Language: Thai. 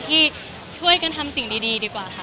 ที่ช่วยกันทำสิ่งดีดีกว่าค่ะ